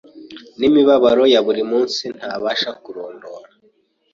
n’imibabaro ya buri munsi ntabasha kurondora.